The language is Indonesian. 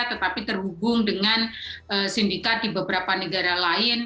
tetapi terhubung dengan sindikat di beberapa negara lain